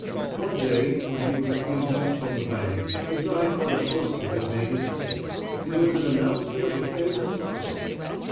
One day, when he was coming home from the bank, his eye caught a poster that made him think; it was an announcement of a famous lottery.